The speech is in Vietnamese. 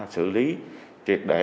xử lý triệt để